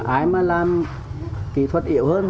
ai mà làm kỹ thuật yếu hơn